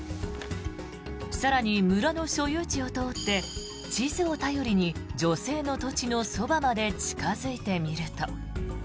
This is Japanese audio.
更に、村の所有地を通って地図を頼りに女性の土地のそばまで近付いてみると。